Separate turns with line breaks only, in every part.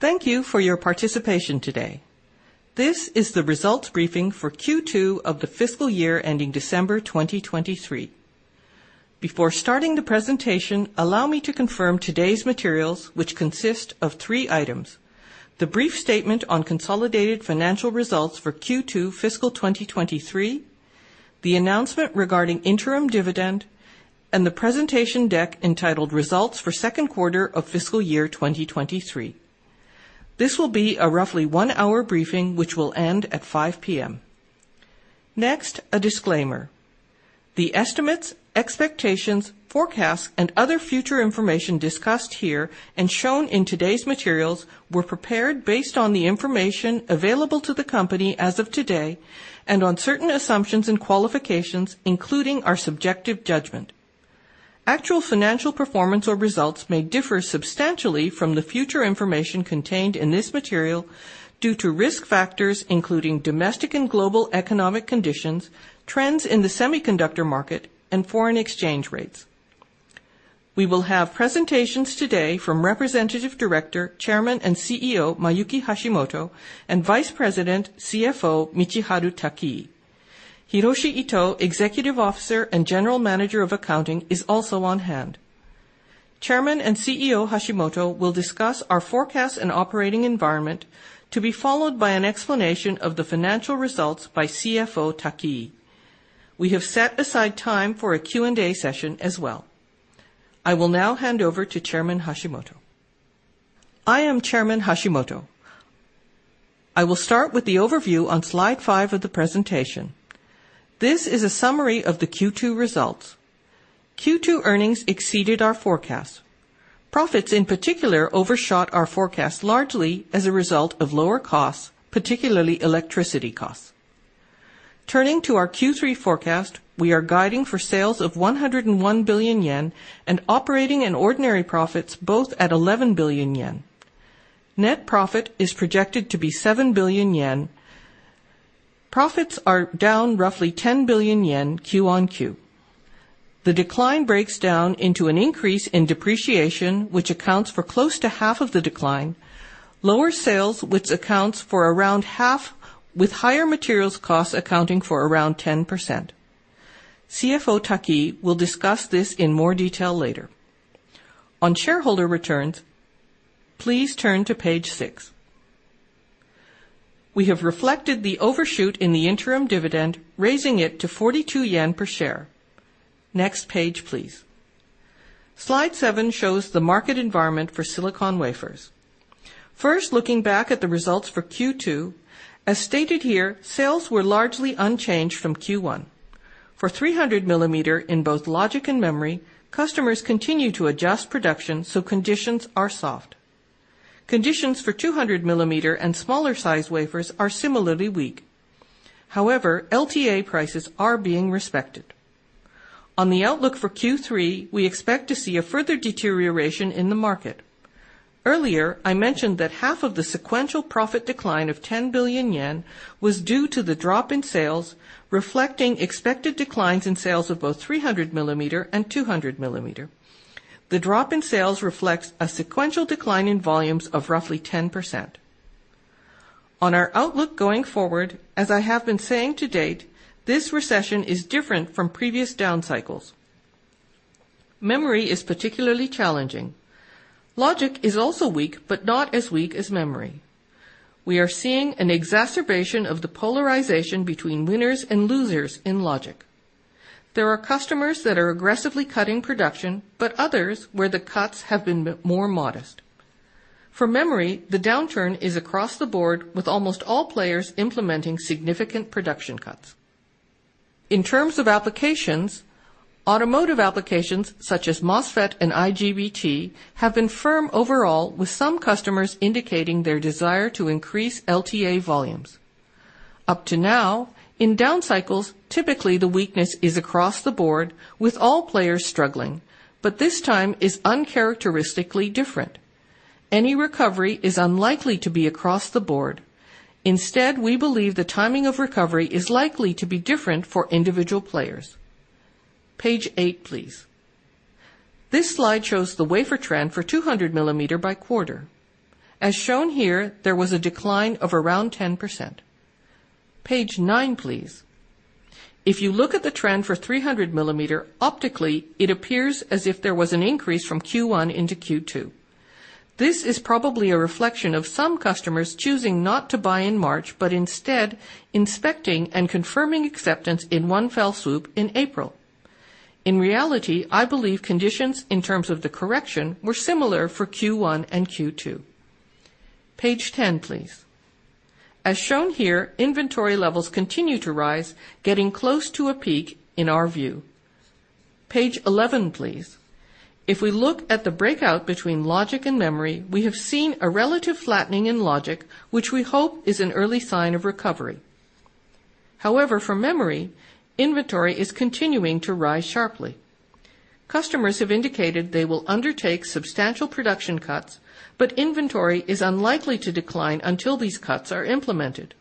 Thank you for your participation today. This is the results briefing for Q2 of the fiscal year ending December 2023. Before starting the presentation, allow me to confirm today's materials, which consist of three items: the brief statement on consolidated financial results for Q2 fiscal 2023, the announcement regarding interim dividend, and the presentation deck entitled Results for 2nd Quarter of Fiscal Year 2023. This will be a roughly 1-hour briefing, which will end at 5:00 P.M. Next, a disclaimer. The estimates, expectations, forecasts, and other future information discussed here and shown in today's materials were prepared based on the information available to the company as of today, and on certain assumptions and qualifications, including our subjective judgment. Actual financial performance or results may differ substantially from the future information contained in this material due to risk factors, including domestic and global economic conditions, trends in the semiconductor market, and foreign exchange rates. We will have presentations today from Representative Director, Chairman and CEO, Mayuki Hashimoto, and Vice President, CFO, Michiharu Takii. Hiroshi Ito, Executive Officer and General Manager of Accounting, is also on hand. Chairman and CEO Hashimoto will discuss our forecast and operating environment, to be followed by an explanation of the financial results by CFO Takiii. We have set aside time for a Q&A session as well. I will now hand over to Chairman Hashimoto.
I am Chairman Hashimoto. I will start with the overview on slide five of the presentation. This is a summary of the Q2 results. Q2 earnings exceeded our forecast. Profits, in particular, overshot our forecast, largely as a result of lower costs, particularly electricity costs. Turning to our Q3 forecast, we are guiding for sales of 101 billion yen and operating and ordinary profits, both at 11 billion yen. Net profit is projected to be 7 billion yen. Profits are down roughly 10 billion yen quarter-on-quarter. The decline breaks down into an increase in depreciation, which accounts for close to half of the decline. Lower sales, which accounts for around half, with higher materials costs accounting for around 10%. CFO Takiii will discuss this in more detail later. On shareholder returns, please turn to page six. We have reflected the overshoot in the interim dividend, raising it to 42 yen per share. Next page, please. Slide seven shows the market environment for silicon wafers. First, looking back at the results for Q2. As stated here, sales were largely unchanged from Q1. For 300 millimeter in both logic and memory, customers continue to adjust production. Conditions are soft. Conditions for 200 millimeter and smaller size wafers are similarly weak. However, LTA prices are being respected. On the outlook for Q3, we expect to see a further deterioration in the market. Earlier, I mentioned that half of the sequential profit decline of 10 billion yen was due to the drop in sales, reflecting expected declines in sales of both 300 millimeter and 200 millimeter. The drop in sales reflects a sequential decline in volumes of roughly 10%. On our outlook going forward, as I have been saying to date, this recession is different from previous down cycles. Memory is particularly challenging. Logic is also weak, but not as weak as memory. We are seeing an exacerbation of the polarization between winners and losers in logic. There are customers that are aggressively cutting production, but others, where the cuts have been more modest. For memory, the downturn is across the board, with almost all players implementing significant production cuts. In terms of applications, automotive applications such as MOSFET and IGBT, have been firm overall, with some customers indicating their desire to increase LTA volumes. Up to now, in down cycles, typically, the weakness is across the board with all players struggling, but this time is uncharacteristically different. Any recovery is unlikely to be across the board. Instead, we believe the timing of recovery is likely to be different for individual players. Page eight, please. This slide shows the wafer trend for 200 millimeter by quarter. As shown here, there was a decline of around 10%. Page nine, please. If you look at the trend for 300 millimeter, optically, it appears as if there was an increase from Q1 into Q2. This is probably a reflection of some customers choosing not to buy in March, but instead inspecting and confirming acceptance in one fell swoop in April. In reality, I believe conditions in terms of the correction were similar for Q1 and Q2. Page 10, please. As shown here, inventory levels continue to rise, getting close to a peak in our view. Page 11, please. If we look at the breakout between logic and memory, we have seen a relative flattening in logic, which we hope is an early sign of recovery. For memory, inventory is continuing to rise sharply. Customers have indicated they will undertake substantial production cuts, inventory is unlikely to decline until these cuts are implemented....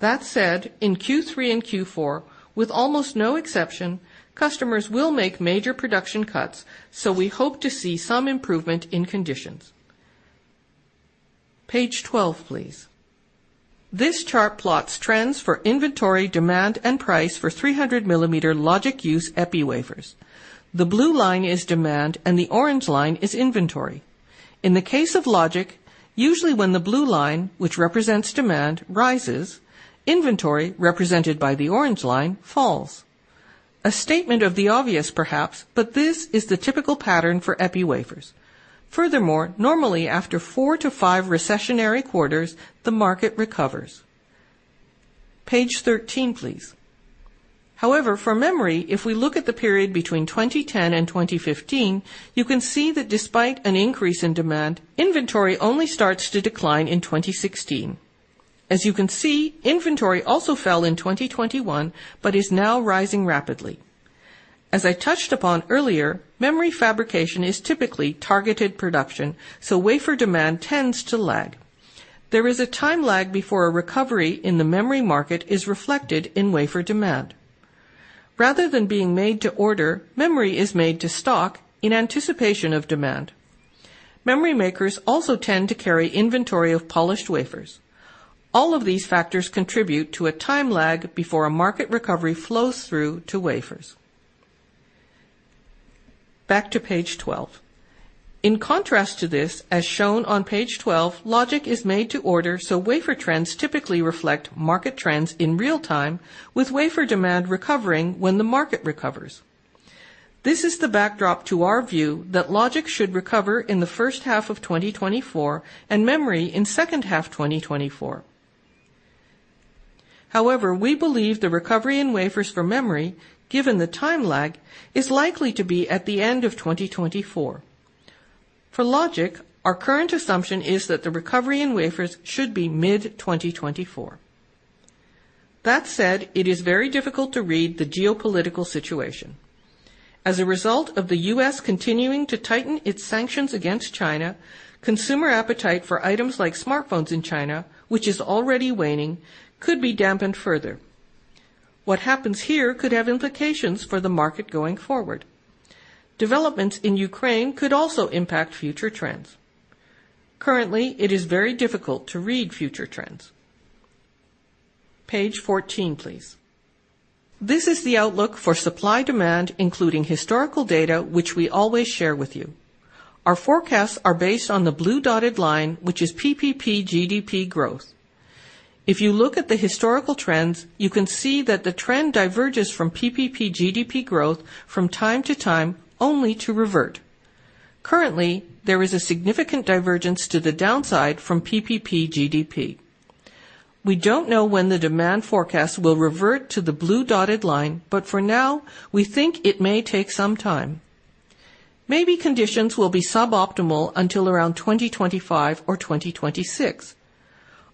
That said, in Q3 and Q4, with almost no exception, customers will make major production cuts, so we hope to see some improvement in conditions. Page 12, please. This chart plots trends for inventory, demand, and price for 300 millimeter logic use EPI wafers. The blue line is demand, and the orange line is inventory. In the case of logic, usually when the blue line, which represents demand, rises, inventory, represented by the orange line, falls. A statement of the obvious, perhaps, but this is the typical pattern for EPI wafers. Furthermore, normally after four to five recessionary quarters, the market recovers. Page 13, please. However, for memory, if we look at the period between 2010 and 2015, you can see that despite an increase in demand, inventory only starts to decline in 2016. As you can see, inventory also fell in 2021, but is now rising rapidly. As I touched upon earlier, memory fabrication is typically targeted production, so wafer demand tends to lag. There is a time lag before a recovery in the memory market is reflected in wafer demand. Rather than being made to order, memory is made to stock in anticipation of demand. Memory makers also tend to carry inventory of polished wafers. All of these factors contribute to a time lag before a market recovery flows through to wafers. Back to page 12. In contrast to this, as shown on page 12, logic is made to order, so wafer trends typically reflect market trends in real time, with wafer demand recovering when the market recovers. This is the backdrop to our view that logic should recover in the 1st half of 2024 and memory in 2nd half 2024. However, we believe the recovery in wafers for memory, given the time lag, is likely to be at the end of 2024. For logic, our current assumption is that the recovery in wafers should be mid-2024. That said, it is very difficult to read the geopolitical situation. As a result of the U.S. continuing to tighten its sanctions against China, consumer appetite for items like smartphones in China, which is already waning, could be dampened further. What happens here could have implications for the market going forward. Developments in Ukraine could also impact future trends. Currently, it is very difficult to read future trends. Page 14, please. This is the outlook for supply-demand, including historical data, which we always share with you. Our forecasts are based on the blue dotted line, which is PPP GDP growth. If you look at the historical trends, you can see that the trend diverges from PPP GDP growth from time to time, only to revert. Currently, there is a significant divergence to the downside from PPP GDP. We don't know when the demand forecast will revert to the blue dotted line, but for now, we think it may take some time. Maybe conditions will be suboptimal until around 2025 or 2026.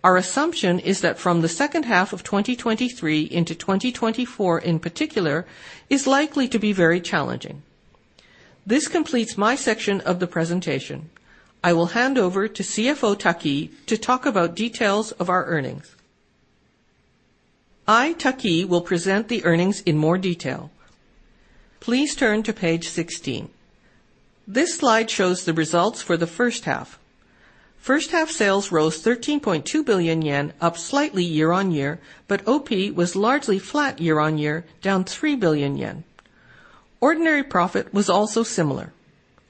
Our assumption is that from the 2nd half of 2023 into 2024, in particular, is likely to be very challenging. This completes my section of the presentation. I will hand over to CFO Takiii to talk about details of our earnings.
I, Takiii, will present the earnings in more detail. Please turn to page 16. This slide shows the results for the 1st half. 1st half sales rose 13.2 billion yen, up slightly year-on-year, but OP was largely flat year-on-year, down 3 billion yen. Ordinary profit was also similar.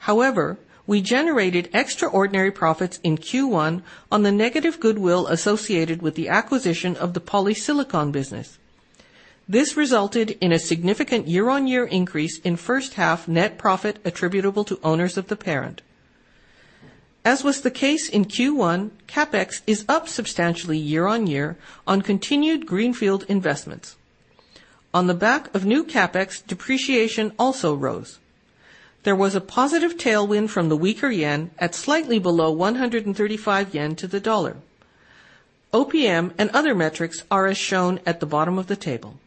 However, we generated extraordinary profits in Q1 on the negative goodwill associated with the acquisition of the polysilicon business. This resulted in a significant year-on-year increase in 1st half net profit attributable to owners of the parent. As was the case in Q1, CapEx is up substantially year-on-year on continued Greenfield investments. On the back of new CapEx, depreciation also rose. There was a positive tailwind from the weaker yen at slightly below 135 yen to the dollar. OPM and other metrics are as shown at the bottom of the table.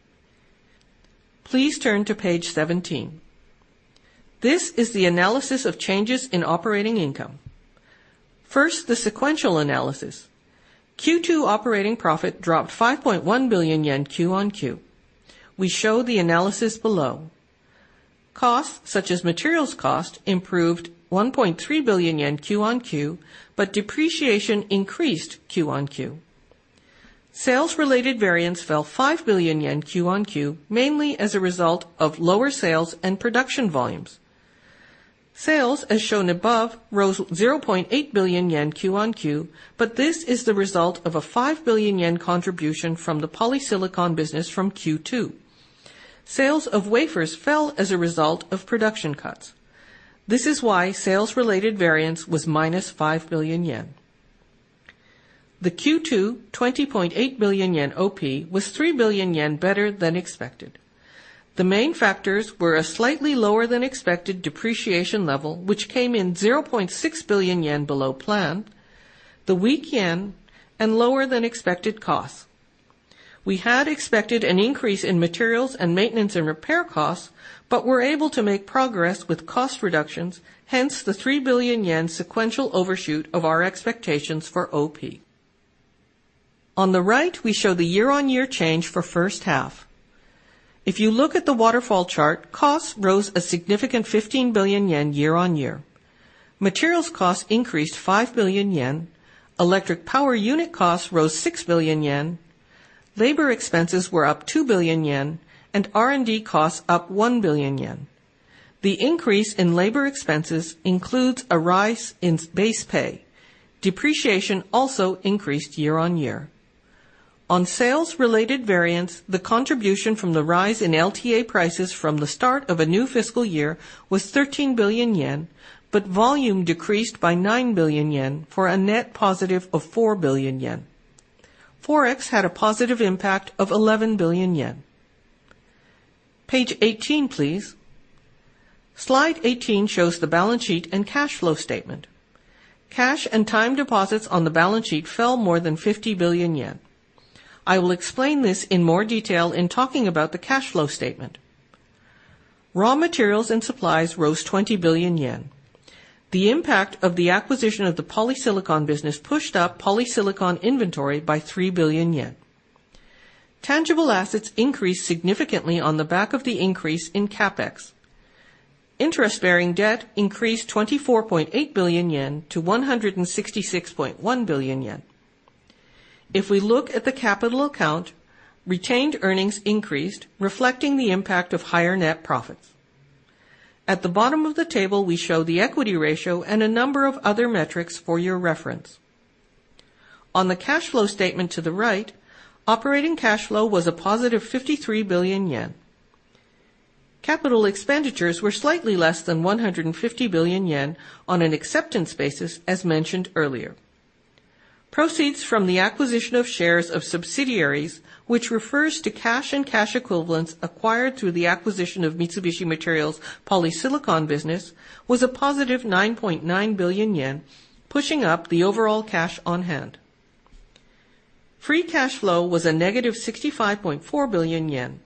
Please turn to page 17. This is the analysis of changes in operating income. First, the sequential analysis. Q2 operating profit dropped 5.1 billion yen Q-on-Q. We show the analysis below. Costs, such as materials cost, improved 1.3 billion yen quarter-on-quarter, but depreciation increased quarter-on-quarter. Sales-related variance fell 5 billion yen quarter-on-quarter, mainly as a result of lower sales and production volumes. Sales, as shown above, rose 0.8 billion yen Q-on-Q, but this is the result of a 5 billion yen contribution from the polysilicon business from Q2. Sales of wafers fell as a result of production cuts. This is why sales-related variance was minus 5 billion yen. The Q2 20.8 billion yen OP was 3 billion yen better than expected. The main factors were a slightly lower-than-expected depreciation level, which came in 0.6 billion yen below plan, the weak yen, and lower-than-expected costs. We had expected an increase in materials and maintenance and repair costs, but were able to make progress with cost reductions, hence the 3 billion yen sequential overshoot of our expectations for OP. On the right, we show the year-on-year change for first half. If you look at the waterfall chart, costs rose a significant 15 billion yen year-on-year. Materials costs increased 5 billion yen, electric power unit costs rose 6 billion yen, labor expenses were up 2 billion yen, and R&D costs up 1 billion yen. The increase in labor expenses includes a rise in base pay. Depreciation also increased year-on-year. On sales-related variance, the contribution from the rise in LTA prices from the start of a new fiscal year was 13 billion yen, but volume decreased by 9 billion yen, for a net positive of 4 billion yen. Forex had a positive impact of 11 billion yen. Page 18, please. Slide 18 shows the balance sheet and cash flow statement. Cash and time deposits on the balance sheet fell more than 50 billion yen. I will explain this in more detail in talking about the cash flow statement. Raw materials and supplies rose 20 billion yen. The impact of the acquisition of the polysilicon business pushed up polysilicon inventory by 3 billion yen. Tangible assets increased significantly on the back of the increase in CapEx. Interest-bearing debt increased 24.8 billion yen to 166.1 billion yen. If we look at the capital account, retained earnings increased, reflecting the impact of higher net profits. At the bottom of the table, we show the equity ratio and a number of other metrics for your reference. On the cash flow statement to the right, operating cash flow was a positive 53 billion yen. CapEx were slightly less than 150 billion yen on an acceptance basis, as mentioned earlier. Proceeds from the acquisition of shares of subsidiaries, which refers to cash and cash equivalents acquired through the acquisition of Mitsubishi Materials' polysilicon business, was a positive 9.9 billion yen, pushing up the overall cash on hand. Free cash flow was a negative 65.4 billion yen.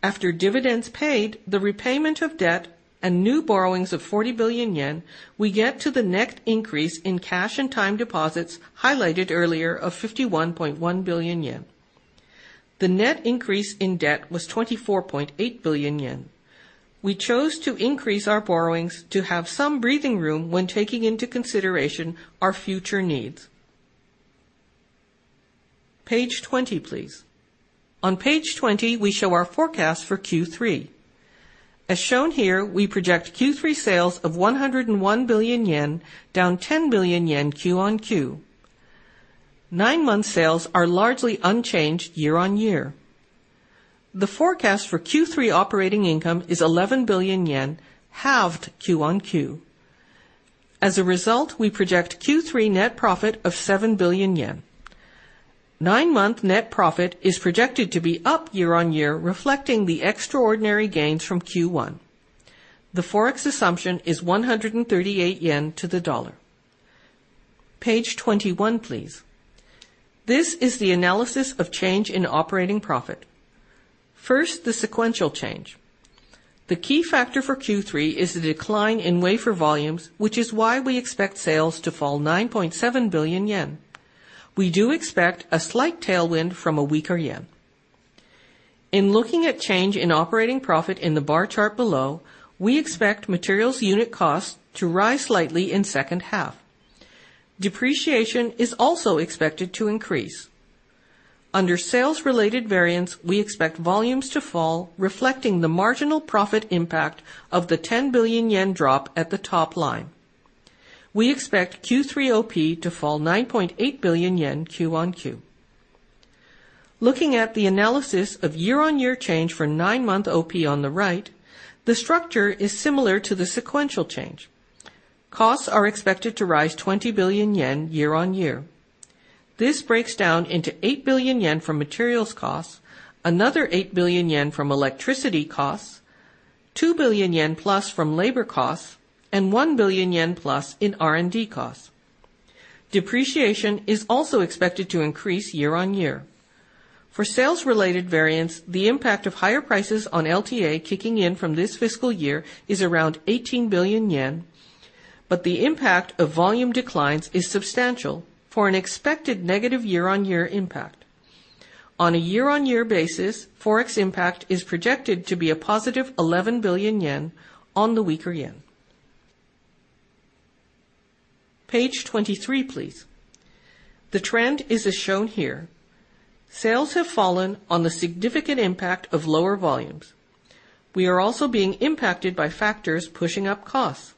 After dividends paid, the repayment of debt and new borrowings of 40 billion yen, we get to the net increase in cash and time deposits highlighted earlier of 51.1 billion yen. The net increase in debt was 24.8 billion yen. We chose to increase our borrowings to have some breathing room when taking into consideration our future needs. Page 20, please. On page 20, we show our forecast for Q3. As shown here, we project Q3 sales of 101 billion yen, down 10 billion yen quarter-on-quarter. Nine-month sales are largely unchanged year-on-year. The forecast for Q3 operating income is 11 billion yen, halved quarter-on-quarter. As a result, we project Q3 net profit of 7 billion yen. Nine-month net profit is projected to be up year-on-year, reflecting the extraordinary gains from Q1. The Forex assumption is 138 yen to the U.S. dollar. Page 21, please. This is the analysis of change in operating profit. First, the sequential change. The key factor for Q3 is the decline in wafer volumes, which is why we expect sales to fall 9.7 billion yen. We do expect a slight tailwind from a weaker yen. In looking at change in operating profit in the bar chart below, we expect materials unit costs to rise slightly in second half. Depreciation is also expected to increase. Under sales-related variance, we expect volumes to fall, reflecting the marginal profit impact of the 10 billion yen drop at the top line. We expect Q3 OP to fall 9.8 billion yen quarter-on-quarter. Looking at the analysis of year-on-year change for nine-month OP on the right, the structure is similar to the sequential change. Costs are expected to rise 20 billion yen year-on-year. This breaks down into 8 billion yen from materials costs, another 8 billion yen from electricity costs, 2 billion yen plus from labor costs, and 1 billion yen plus in R&D costs. Depreciation is also expected to increase year-on-year. For sales-related variance, the impact of higher prices on LTA kicking in from this fiscal year is around 18 billion yen, but the impact of volume declines is substantial for an expected negative year-on-year impact. On a year-on-year basis, Forex impact is projected to be a positive 11 billion yen on the weaker yen. Page 23, please. The trend is as shown here. Sales have fallen on the significant impact of lower volumes. We are also being impacted by factors pushing up costs.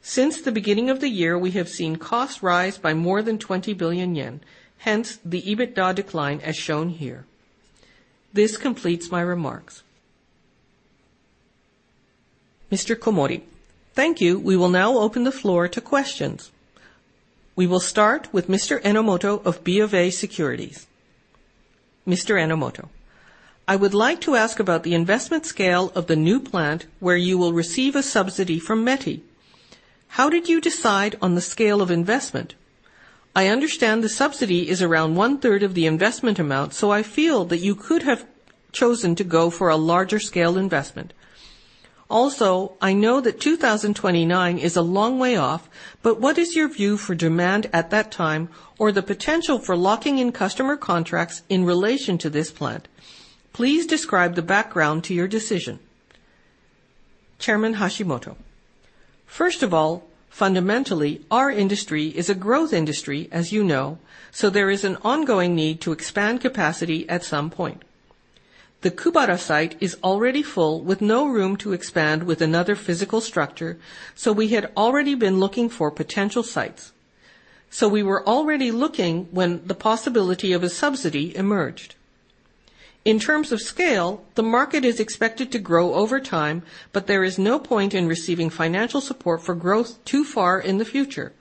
Since the beginning of the year, we have seen costs rise by more than 20 billion yen, hence the EBITDA decline, as shown here. This completes my remarks. Mr. Komori: Thank you. We will now open the floor to questions. We will start with Mr. Enomoto of BofA Securities.
Mr. Enomoto: "I would like to ask about the investment scale of the new plant, where you will receive a subsidy from METI....How did you decide on the scale of investment? I understand the subsidy is around 1/3 of the investment amount, so I feel that you could have chosen to go for a larger scale investment. Also, I know that 2029 is a long way off, but what is your view for demand at that time or the potential for locking in customer contracts in relation to this plant? Please describe the background to your decision.
Chairman Hashimoto: "First of all, fundamentally, our industry is a growth industry, as you know, so there is an ongoing need to expand capacity at some point. The Kuwabara site is already full, with no room to expand with another physical structure, we had already been looking for potential sites. We were already looking when the possibility of a subsidy emerged. In terms of scale, the market is expected to grow over time, but there is no point in receiving financial support for growth too far in the future.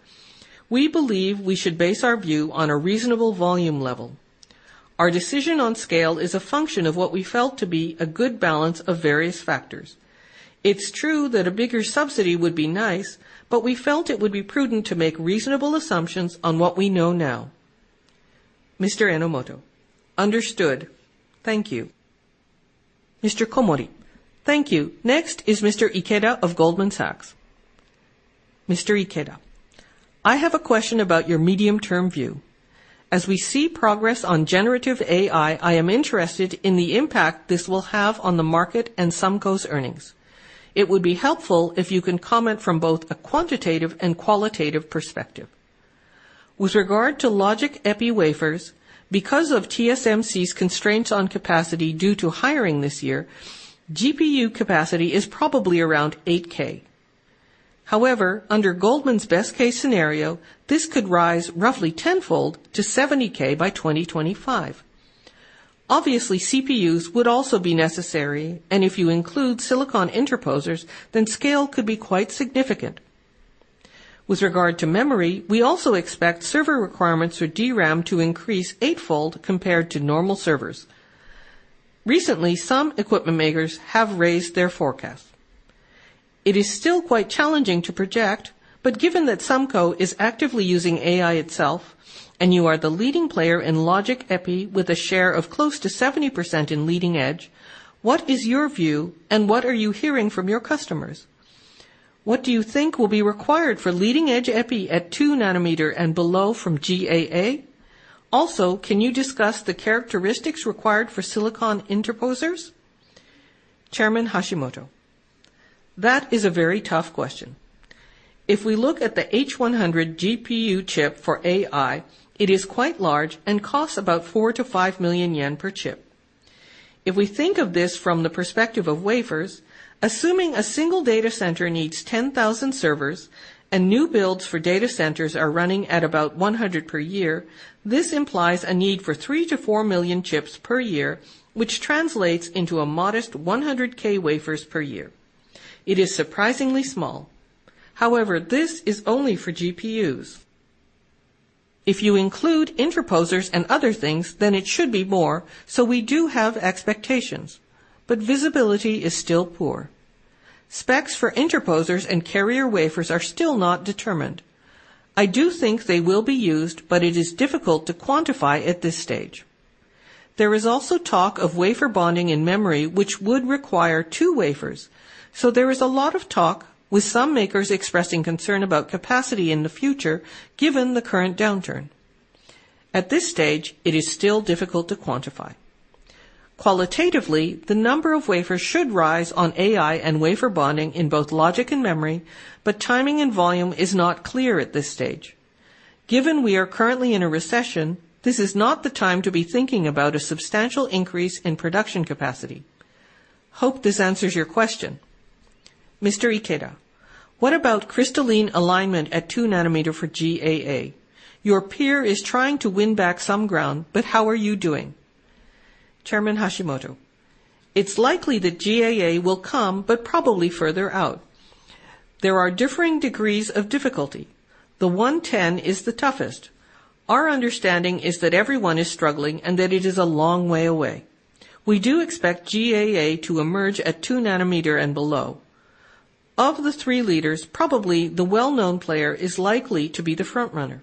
We believe we should base our view on a reasonable volume level. Our decision on scale is a function of what we felt to be a good balance of various factors. It's true that a bigger subsidy would be nice, but we felt it would be prudent to make reasonable assumptions on what we know now."
Mr. Enomoto: Understood. Thank you.
Mr. Komori: Thank you. Next is Mr. Ikeda of Goldman Sachs.
Mr. Ikeda: "I have a question about your medium-term view. As we see progress on generative AI, I am interested in the impact this will have on the market and SUMCO's earnings. It would be helpful if you can comment from both a quantitative and qualitative perspective. With regard to logic EPI wafers, because of TSMC's constraints on capacity due to hiring this year, GPU capacity is probably around 8K. Under Goldman's best case scenario, this could rise roughly tenfold to 70K by 2025. Obviously, CPUs would also be necessary, and if you include silicon interposers, then scale could be quite significant. With regard to memory, we also expect server requirements for DRAM to increase eightfold compared to normal servers. Recently, some equipment makers have raised their forecast. It is still quite challenging to project, but given that SUMCO is actively using AI itself, and you are the leading player in logic EPI with a share of close to 70% in leading edge, what is your view and what are you hearing from your customers? What do you think will be required for leading edge EPI at 2 nanometer and below from GAA? Also, can you discuss the characteristics required for silicon interposers?
That is a very tough question. If we look at the H100 GPU chip for AI, it is quite large and costs about 4 million-5 million yen per chip. If we think of this from the perspective of wafers, assuming a single data center needs 10,000 servers and new builds for data centers are running at about 100 per year, this implies a need for 3 million-4 million chips per year, which translates into a modest 100K wafers per year. It is surprisingly small. However, this is only for GPUs. If you include interposers and other things, then it should be more, so we do have expectations, but visibility is still poor. Specs for interposers and carrier wafers are still not determined. I do think they will be used, but it is difficult to quantify at this stage. There is also talk of wafer bonding in memory, which would require 2 wafers. There is a lot of talk, with some makers expressing concern about capacity in the future, given the current downturn. At this stage, it is still difficult to quantify. Qualitatively, the number of wafers should rise on AI and wafer bonding in both logic and memory, but timing and volume is not clear at this stage. Given we are currently in a recession, this is not the time to be thinking about a substantial increase in production capacity. Hope this answers your question.
What about crystalline alignment at two nanometer for GAA? Your peer is trying to win back some ground. How are you doing?
It's likely that GAA will come, probably further out. There are differing degrees of difficulty. The 110 is the toughest. Our understanding is that everyone is struggling and that it is a long way away. We do expect GAA to emerge at 2 nanometer and below. Of the three leaders, probably the well-known player is likely to be the front runner."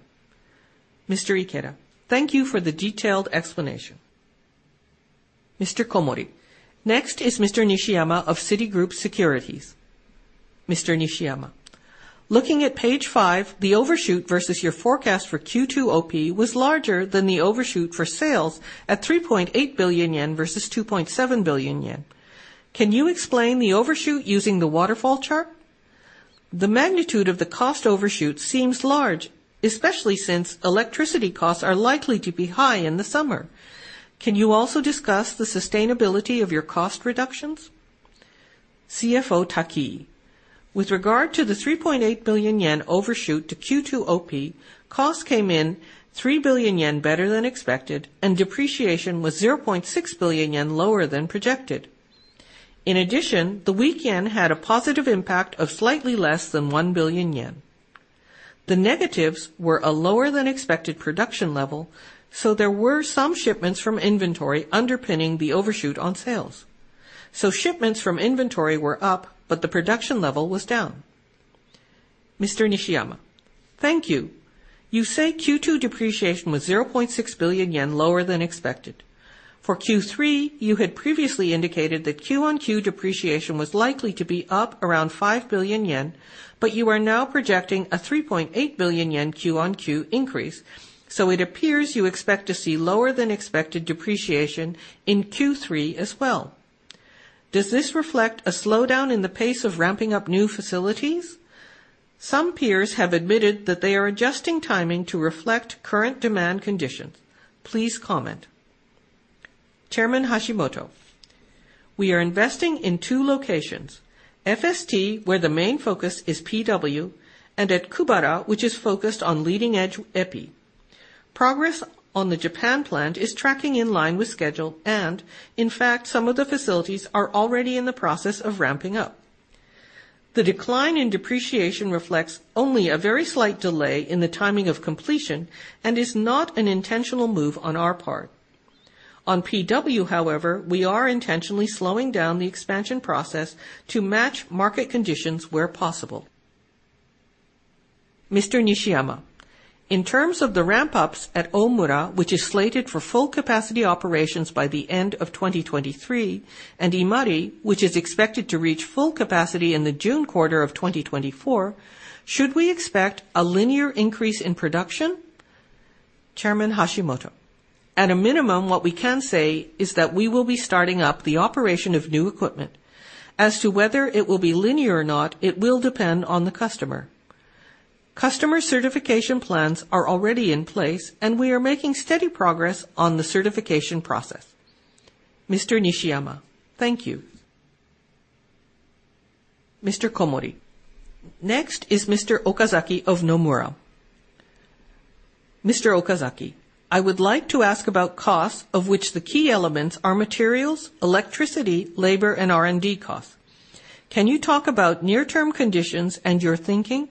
Thank you for the detailed explanation.
Next is Mr. Nishiyama of Citigroup Securities.
"Looking at page five, the overshoot versus your forecast for Q2 OP was larger than the overshoot for sales at 3.8 billion yen versus 2.7 billion yen. Can you explain the overshoot using the waterfall chart? The magnitude of the cost overshoot seems large, especially since electricity costs are likely to be high in the summer. Can you also discuss the sustainability of your cost reductions?"
"With regard to the 3.8 billion yen overshoot to Q2 OP, costs came in 3 billion yen better than expected, depreciation was 0.6 billion yen lower than projected.In addition, the weak yen had a positive impact of slightly less than 1 billion yen. The negatives were a lower than expected production level. There were some shipments from inventory underpinning the overshoot on sales. Shipments from inventory were up, but the production level was down.
Mr. Nishiyama: Thank you. You say Q2 depreciation was 0.6 billion yen lower than expected. For Q3, you had previously indicated that Q1 depreciation was likely to be up around 5 billion yen, but you are now projecting a 3.8 billion yen quarter-on-quarter increase. It appears you expect to see lower than expected depreciation in Q3 as well. Does this reflect a slowdown in the pace of ramping up new facilities? Some peers have admitted that they are adjusting timing to reflect current demand conditions. Please comment.
Chairman Hashimoto: We are investing in two locations, FST, where the main focus is PW, and at Kuwabara, which is focused on leading-edge EPI. Progress on the Japan plant is tracking in line with schedule, and in fact some of the facilities are already in the process of ramping up. The decline in depreciation reflects only a very slight delay in the timing of completion and is not an intentional move on our part. On PW, however, we are intentionally slowing down the expansion process to match market conditions where possible.
Mr. Nishiyama: In terms of the ramp-ups at Omura, which is slated for full capacity operations by the end of 2023, and Imari, which is expected to reach full capacity in the June quarter of 2024, should we expect a linear increase in production?
Chairman Hashimoto: At a minimum, what we can say is that we will be starting up the operation of new equipment. As to whether it will be linear or not, it will depend on the customer. Customer certification plans are already in place and we are making steady progress on the certification process.
Mr. Nishiyama: Thank you.
Mr. Komori: Next is Mr. Okazaki of Nomura.
Mr. Okazaki: I would like to ask about costs, of which the key elements are materials, electricity, labor, and R&D costs. Can you talk about near-term conditions and your thinking?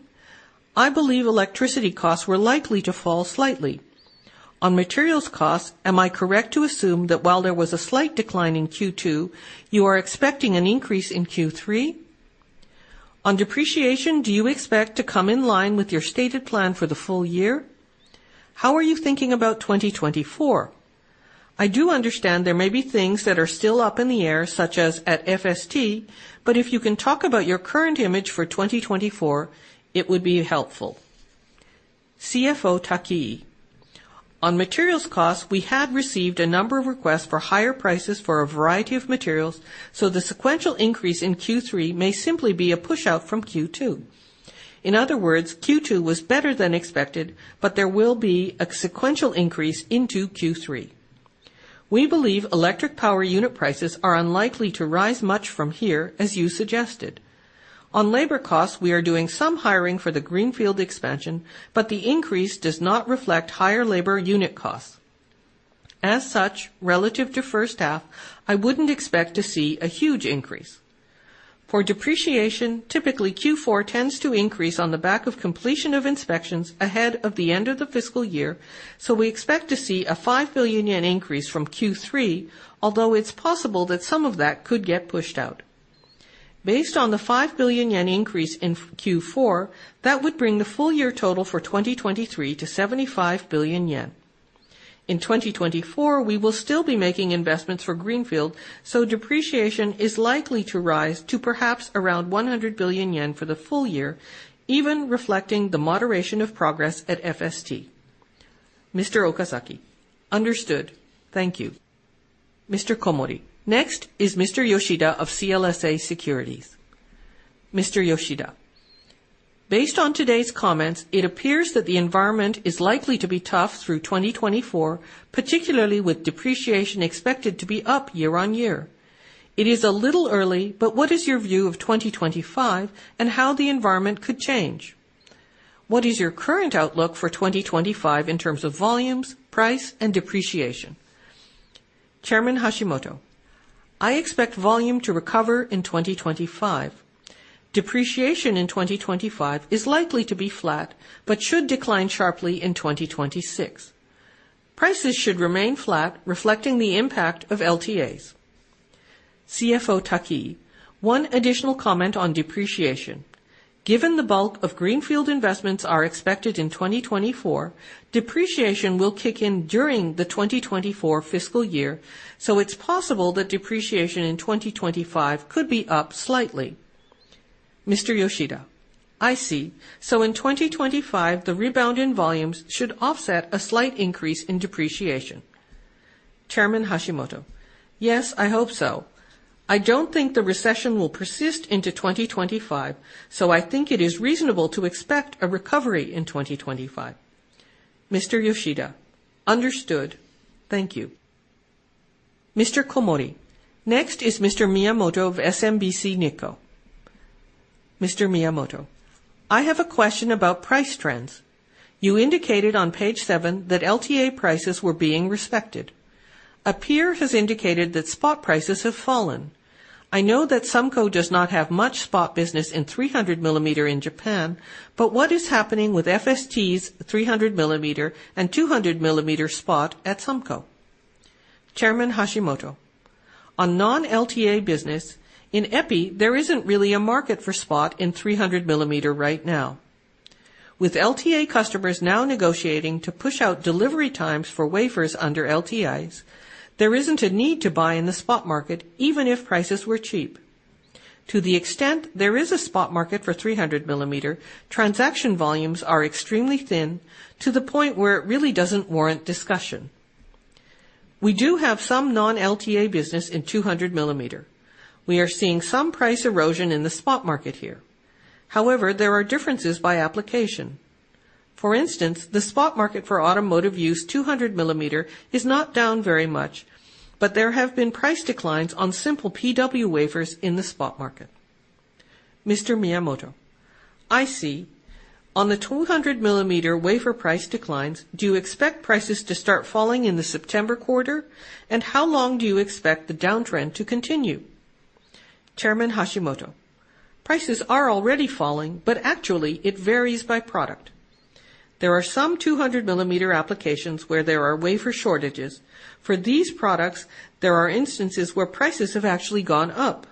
I believe electricity costs were likely to fall slightly. On materials costs, am I correct to assume that while there was a slight decline in Q2, you are expecting an increase in Q3? On depreciation, do you expect to come in line with your stated plan for the full year? How are you thinking about 2024? I do understand there may be things that are still up in the air, such as at FST, but if you can talk about your current image for 2024, it would be helpful.
On materials costs, we had received a number of requests for higher prices for a variety of materials, so the sequential increase in Q3 may simply be a push out from Q2. In other words, Q2 was better than expected, but there will be a sequential increase into Q3. We believe electric power unit prices are unlikely to rise much from here, as you suggested. On labor costs, we are doing some hiring for the Greenfield expansion, but the increase does not reflect higher labor unit costs. As such, relative to first half, I wouldn't expect to see a huge increase. For depreciation, typically, Q4 tends to increase on the back of completion of inspections ahead of the end of the fiscal year. We expect to see a 5 billion yen increase from Q3, although it's possible that some of that could get pushed out. Based on the 5 billion yen increase in Q4, that would bring the full year total for 2023 to 75 billion yen. In 2024, we will still be making investments for Greenfield. Depreciation is likely to rise to perhaps around 100 billion yen for the full year, even reflecting the moderation of progress at FST.
Mr. Okazaki: Understood. Thank you.
Mr. Komori, next is Mr. Yoshida of CLSA Securities.
Mr. Yoshida: Based on today's comments, it appears that the environment is likely to be tough through 2024, particularly with depreciation expected to be up year-on-year. It is a little early, but what is your view of 2025 and how the environment could change? What is your current outlook for 2025 in terms of volumes, price, and depreciation?
Chairman Hashimoto: I expect volume to recover in 2025. Depreciation in 2025 is likely to be flat, but should decline sharply in 2026. Prices should remain flat, reflecting the impact of LTAs.
CFO Takiii: One additional comment on depreciation. Given the bulk of Greenfield investments are expected in 2024, depreciation will kick in during the 2024 fiscal year, it's possible that depreciation in 2025 could be up slightly.
Mr. Yoshida: I see. In 2025, the rebound in volumes should offset a slight increase in depreciation.
Chairman Hashimoto: Yes, I hope so. I don't think the recession will persist into 2025, so I think it is reasonable to expect a recovery in 2025.
Mr. Yoshida: Understood. Thank you.
Mr. Komori, next is Mr. Miyamoto of SMBC Nikko.
Mr. Miyamoto: I have a question about price trends. You indicated on page seven that LTA prices were being respected. A peer has indicated that spot prices have fallen. I know that SUMCO does not have much spot business in 300 millimeter in Japan, but what is happening with FST's 300 millimeter and 200 millimeter spot at SUMCO?
Chairman Hashimoto: On non-LTA business, in EPI, there isn't really a market for spot in 300 millimeter right now. With LTA customers now negotiating to push out delivery times for wafers under LTAs, there isn't a need to buy in the spot market, even if prices were cheap. To the extent there is a spot market for 300 millimeter, transaction volumes are extremely thin, to the point where it really doesn't warrant discussion. We do have some non-LTA business in 200 millimeter. We are seeing some price erosion in the spot market here. However, there are differences by application. For instance, the spot market for automotive use, 200 millimeter is not down very much, but there have been price declines on simple PW wafers in the spot market.
I see. On the 200 millimeter wafer price declines, do you expect prices to start falling in the September quarter? And how long do you expect the downtrend to continue?
Prices are already falling, but actually it varies by product. There are some 200 millimeter applications where there are wafer shortages. For these products, there are instances where prices have actually gone up,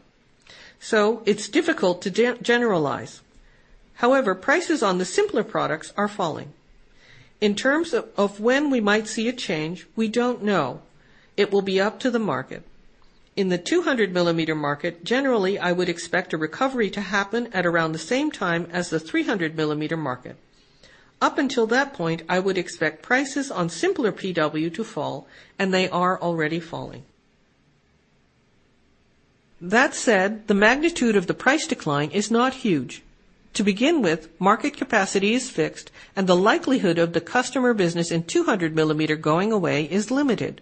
so it's difficult to generalize. However, prices on the simpler products are falling. In terms of when we might see a change, we don't know. It will be up to the market. In the 200 millimeter market, generally, I would expect a recovery to happen at around the same time as the 300 millimeter market. Up until that point, I would expect prices on simpler PW to fall, and they are already falling. That said, the magnitude of the price decline is not huge. To begin with, market capacity is fixed, and the likelihood of the customer business in 200 millimeter going away is limited.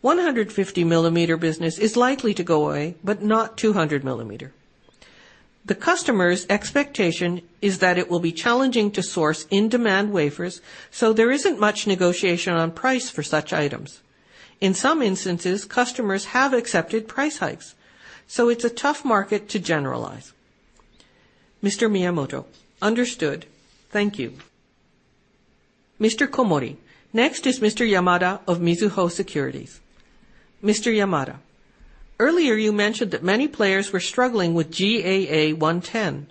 150 millimeter business is likely to go away, but not 200 millimeter. The customer's expectation is that it will be challenging to source in-demand wafers, so there isn't much negotiation on price for such items. In some instances, customers have accepted price hikes, so it's a tough market to generalize.
Understood. Thank you.
Mr. Komori: Next is Mr. Yamada of Mizuho Securities.
Earlier, you mentioned that many players were struggling with GAA 110.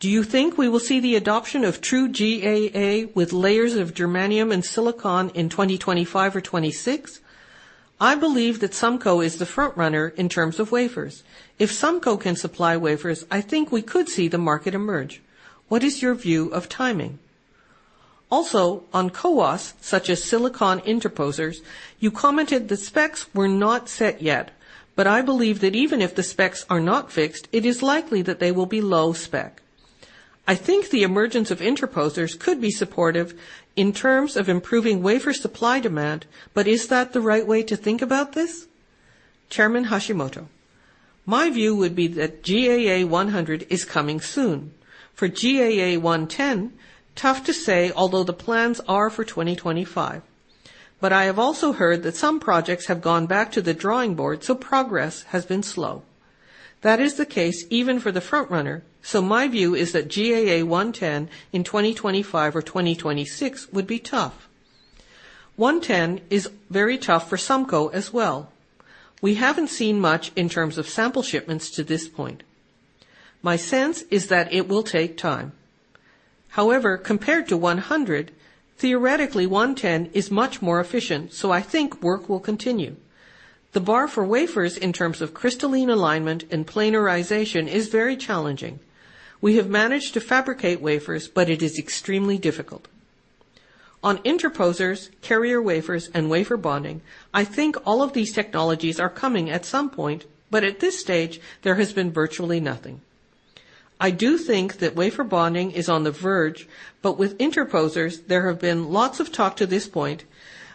Do you think we will see the adoption of true GAA with layers of germanium and silicon in 2025 or 2026? I believe that SUMCO is the front runner in terms of wafers. If SUMCO can supply wafers, I think we could see the market emerge. What is your view of timing? Also, on CoWoS, such as silicon interposers, you commented the specs were not set yet. I believe that even if the specs are not fixed, it is likely that they will be low spec. I think the emergence of interposers could be supportive in terms of improving wafer supply-demand. Is that the right way to think about this?
Chairman Hashimoto: My view would be that GAA 100 is coming soon. For GAA 110, tough to say, although the plans are for 2025. I have also heard that some projects have gone back to the drawing board. Progress has been slow. That is the case even for the front runner. My view is that GAA 110 in 2025 or 2026 would be tough. 110 is very tough for SUMCO as well. We haven't seen much in terms of sample shipments to this point. My sense is that it will take time. Compared to 100, theoretically, 110 is much more efficient, so I think work will continue. The bar for wafers in terms of crystalline alignment and planarization is very challenging. We have managed to fabricate wafers, but it is extremely difficult. On interposers, carrier wafers, and wafer bonding, I think all of these technologies are coming at some point, but at this stage there has been virtually nothing. I do think that wafer bonding is on the verge, but with interposers, there have been lots of talk to this point,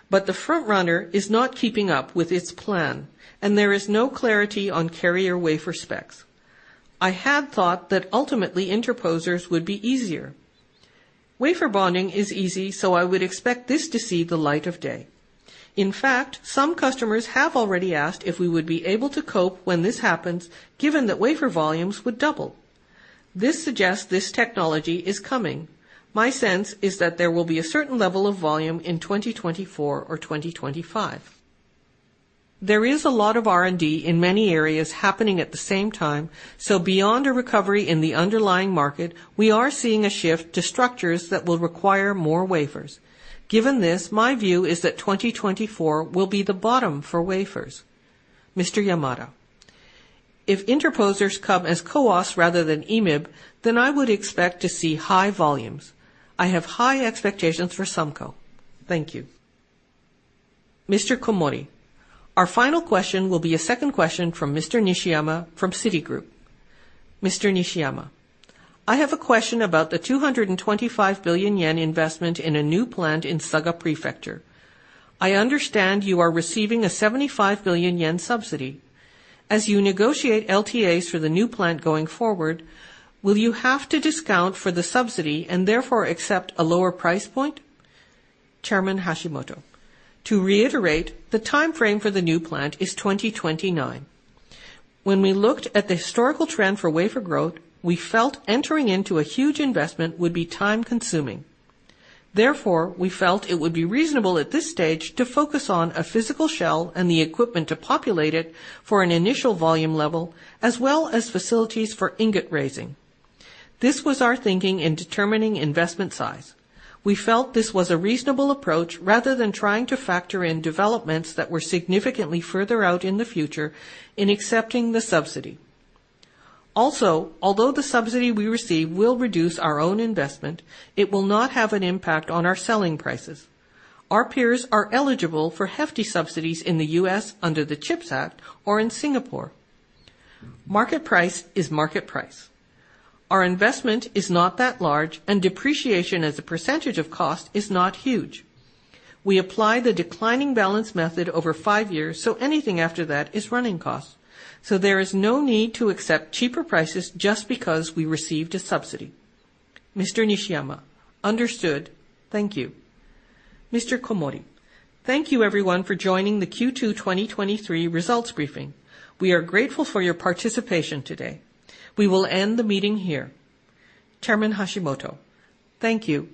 but the front runner is not keeping up with its plan, and there is no clarity on carrier wafer specs. I had thought that ultimately interposers would be easier. Wafer bonding is easy, so I would expect this to see the light of day. In fact, some customers have already asked if we would be able to cope when this happens, given that wafer volumes would double. This suggests this technology is coming. My sense is that there will be a certain level of volume in 2024 or 2025. There is a lot of R&D in many areas happening at the same time, so beyond a recovery in the underlying market, we are seeing a shift to structures that will require more wafers. Given this, my view is that 2024 will be the bottom for wafers.
If interposers come as CoWoS rather than EMIB, then I would expect to see high volumes. I have high expectations for SUMCO. Thank you.
Our final question will be a second question from Mr. Nishiyama from Citigroup.
Mr. Nishiyama: I have a question about the 225 billion yen investment in a new plant in Saga Prefecture. I understand you are receiving a 75 billion yen subsidy. As you negotiate LTAs for the new plant going forward, will you have to discount for the subsidy and therefore accept a lower price point?
Chairman Hashimoto: To reiterate, the time frame for the new plant is 2029. When we looked at the historical trend for wafer growth, we felt entering into a huge investment would be time-consuming. Therefore, we felt it would be reasonable at this stage to focus on a physical shell and the equipment to populate it for an initial volume level, as well as facilities for ingot raising. This was our thinking in determining investment size. We felt this was a reasonable approach rather than trying to factor in developments that were significantly further out in the future in accepting the subsidy. Although the subsidy we receive will reduce our own investment, it will not have an impact on our selling prices. Our peers are eligible for hefty subsidies in the U.S. under the CHIPS Act or in Singapore. Market price is market price. Our investment is not that large, and depreciation as a percentage of cost is not huge. We apply the declining balance method over 5 years, so anything after that is running costs. There is no need to accept cheaper prices just because we received a subsidy.
Mr. Nishiyama: Understood. Thank you.
Mr. Komori: Thank you everyone for joining the Q2 2023 results briefing. We are grateful for your participation today. We will end the meeting here.
Chairman Hashimoto: Thank you.